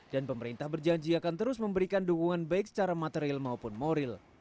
dan pemerintah berjanji akan terus memberikan dukungan baik secara material maupun moral